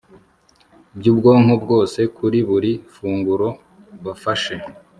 by'ubwoko bwose kuri buri funguro bafashe